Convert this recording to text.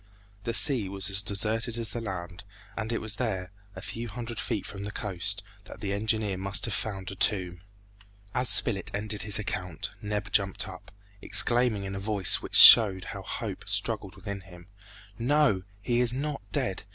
The sea was as deserted as the land, and it was there, a few hundred feet from the coast, that the engineer must have found a tomb. As Spilett ended his account, Neb jumped up, exclaiming in a voice which showed how hope struggled within him, "No! he is not dead!